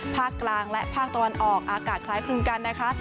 ภาคกลางและภาคตะวันออกอากาศคล้ายคลึงกันนะคะ